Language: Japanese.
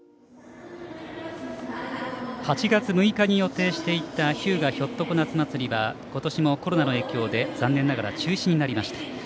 ８月６日に予定していた日向ひょっとこ夏祭りは今年もコロナの影響で残念ながら中止になりました。